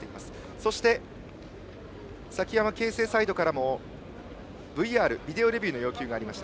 そして崎山慶成サイドからもＶＲ＝ビデオレビューの要求。